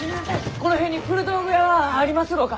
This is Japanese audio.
この辺に古道具屋はありますろうか？